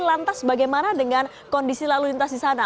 lantas bagaimana dengan kondisi lalu lintas di sana